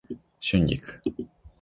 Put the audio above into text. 春菊